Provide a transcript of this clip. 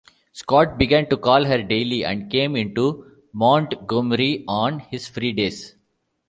Scott began to call her daily, and came into Montgomery on his free days.